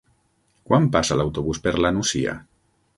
Quan passa l'autobús per la Nucia?